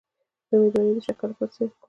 د امیدوارۍ د شکر لپاره باید څه وکړم؟